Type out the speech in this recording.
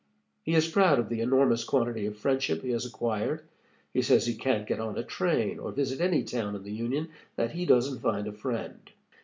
He is proud of the enormous quantity of friendship he has acquired. He says he can't get on a train or visit any town in the Union that he doesn't find a friend.